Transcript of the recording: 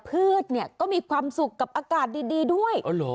พืชเนี่ยก็มีความสุขกับอากาศดีดีด้วยอ๋อเหรอ